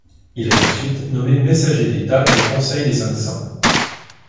Il est ensuite nommé messager d'état du Conseil des Cinq-Cents.